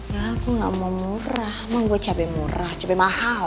ya aku gak mau murah mau buat cabai murah cabai mahal